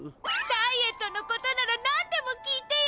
ダイエットのことなら何でも聞いてよ！